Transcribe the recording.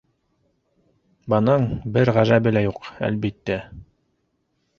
Бының бер ғәжәбе лә юҡ, әлбиттә.